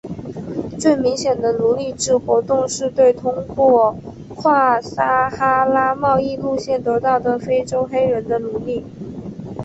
最明显的奴隶制活动是对通过跨撒哈拉贸易路线得到的非洲黑人的奴役。